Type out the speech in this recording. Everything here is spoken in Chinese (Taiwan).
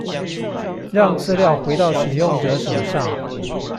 讓資料回到使用者手上